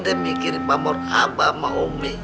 demikirin pamor apa sama omi